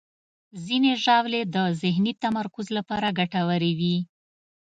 ځینې ژاولې د ذهني تمرکز لپاره ګټورې وي.